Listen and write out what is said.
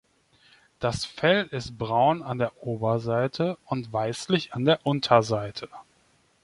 Das Fell ist braun an der Oberseite und weißlich an der Unterseite.